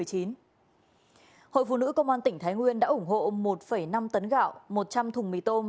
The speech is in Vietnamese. hội phụ nữ công an tỉnh thái nguyên đã ủng hộ một năm tấn gạo một trăm linh thùng mì tôm